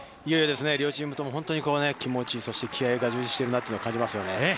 両チームとも気持ち、気合いが充実しているなと感じますね。